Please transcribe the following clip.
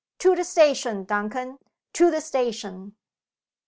To the station, Duncan! to the station!"